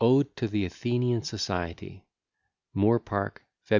ODE TO THE ATHENIAN SOCIETY _Moor Park, Feb.